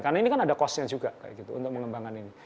karena ini kan ada cost nya juga untuk mengembangkan ini